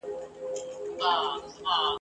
څو سيندونه لا بهيږي ..